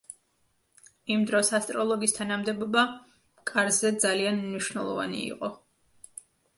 იმ დროს ასტროლოგის თანამდებობა კარზე ძალიან მნიშვნელოვანი იყო.